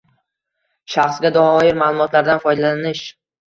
Shaxsga doir ma’lumotlardan foydalanish